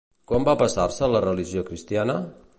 Quan va passar-se a la religió cristiana?